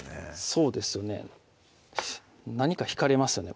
そうですよね何か引かれますよね